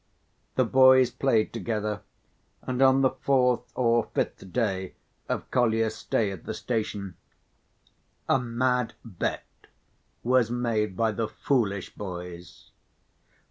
The boys played together, and on the fourth or fifth day of Kolya's stay at the station, a mad bet was made by the foolish boys.